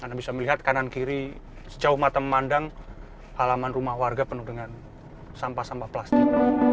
anda bisa melihat kanan kiri sejauh mata memandang halaman rumah warga penuh dengan sampah sampah plastik